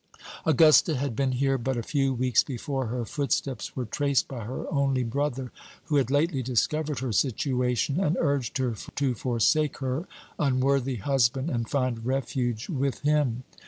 Augusta had been here but a few weeks before her footsteps were traced by her only brother, who had lately discovered her situation, and urged her to forsake her unworthy husband and find refuge with him.